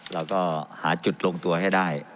เราก็หาจุดลงตัวให้ได้